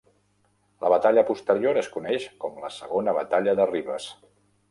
La batalla posterior es coneix com la Segona Batalla de Rivas.